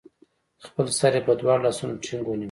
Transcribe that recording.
خپل سر يې په دواړو لاسونو ټينګ ونيوه